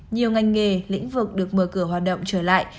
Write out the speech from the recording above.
nhiều ngành nghề lĩnh vực được mở cửa hoạt động trở lại